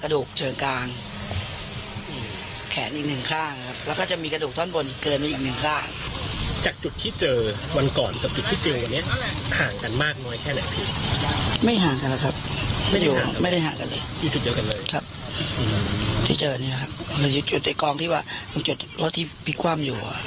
กระดูกที่นำไปทางที่แล้วมันมีขนาดผิดปกติจากของผู้หญิงไหม